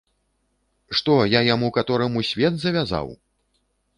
Што я яму катораму свет завязаў?